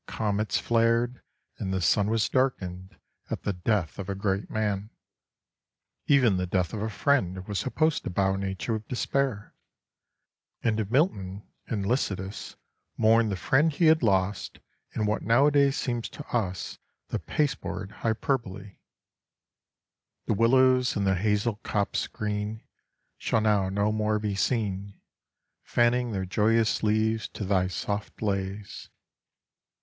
Comets flared and the sun was darkened at the death of a great man. Even the death of a friend was supposed to bow nature with despair; and Milton in Lycidas mourned the friend he had lost in what nowadays seems to us the pasteboard hyperbole: The willows and the hazel copses green Shall now no more be seen Fanning their joyous leaves to thy soft lays.